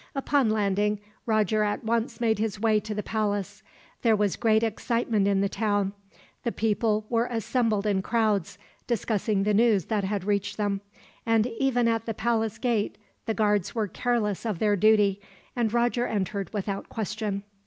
Upon landing, Roger at once made his way to the palace. There was great excitement in the town. The people were assembled in crowds, discussing the news that had reached them; and even at the palace gate the guards were careless of their duty, and Roger entered without question.